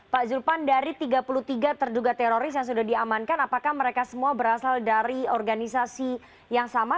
pak zulpan dari tiga puluh tiga terduga teroris yang sudah diamankan apakah mereka semua berasal dari organisasi yang sama